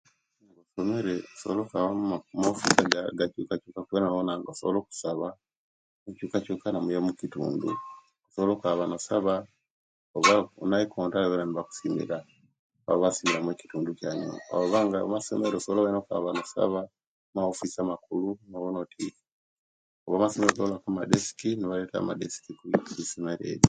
Emere osowola okusaba omaofisi agakyukakyukaku bona nibawona nga osobola okusaba mu'nkyukakyukana eyo mukitundu, osobola okwaaba nosaba, oba naikonta oyaba nibakusimira omukitundu kyaanyu , obanga masonero, osobola okwaaba nosaba amawofisi amakuklu nowona oti, oba kumasomero kwona madesiki nebaleeta amadesiki.